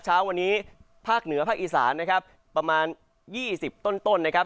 เช้าวันนี้ภาคเหนือภาคอีสานนะครับประมาณ๒๐ต้นนะครับ